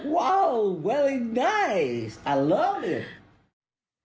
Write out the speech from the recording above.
ว้าวเวลาให้ได้ชอบมาก